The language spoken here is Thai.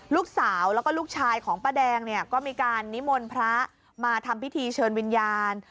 ลูกสาวแล้วก็ลูกชายของป้าแดงเนี่ยก็มีการนิมนต์พระมาทำพิธีเชิญวิญญาณ